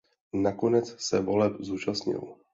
Nakonec se voleb zúčastnil.